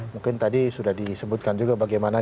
mungkin tadi sudah disebutkan juga bagaimana